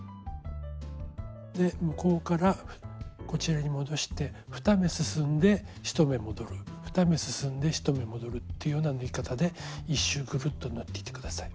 で向こうからこちらに戻して２目進んで１目戻る２目進んで１目戻るというような縫い方で１周グルッと縫っていって下さい。